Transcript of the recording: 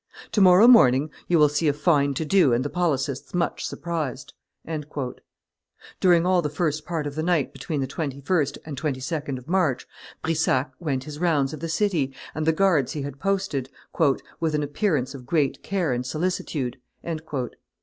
To morrow morning you will see a fine to do and the policists much surprised." During all the first part of the night between the 21st and 22d of March, Brissac went his rounds of the city and the guards he had posted, "with an appearance of great care and solicitude."